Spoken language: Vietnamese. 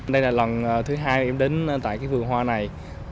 đây là lần thứ hai em đến tại cái vườn hoa này